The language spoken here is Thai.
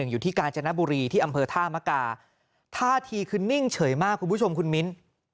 กาญจนบุรีที่อำเภอท่ามกาท่าทีคือนิ่งเฉยมากคุณผู้ชมคุณมิ้น